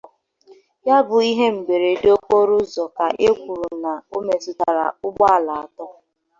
Ya bụ ihe mberede okporo ụzọ ka e kwuru na o metụtàrà ụgbọala atọ